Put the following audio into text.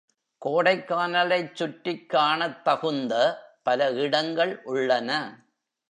கோடைக்கானலைச் சுற்றிக் காணத் தகுந்த பல இடங்கள் உள்ளன.